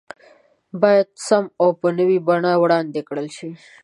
بايد سم او په نوي بڼه وړاندې کړل شي